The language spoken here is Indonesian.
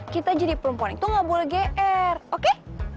kita jadi perempuan itu gak boleh gr oke